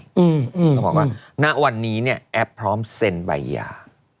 เขาบอกว่าหน้าวันนี้แอปพร้อมเซ็นใบหย่า